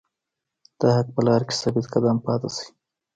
د حق په لاره کې ثابت قدم پاتې شئ.